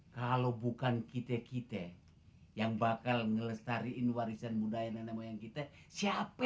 kalau bukan kita kita yang bakal ngelestarikan warisan budaya nenek moyang kita siapa